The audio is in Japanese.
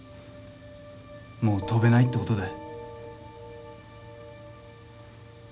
もう飛べないって事だ。